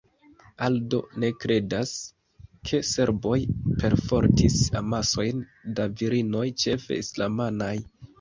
Aldo ne kredas, ke serboj perfortis amasojn da virinoj ĉefe islamanaj.